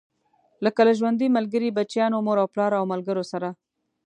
لکه له ژوند ملګري، بچيانو، مور او پلار او ملګرو سره.